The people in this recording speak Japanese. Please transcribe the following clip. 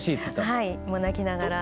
はいもう泣きながら。